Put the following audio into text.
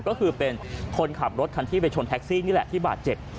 ก็คือเป็นคนขับรถคันที่ไปชนแท็กซี่นี่แหละที่บาดเจ็บ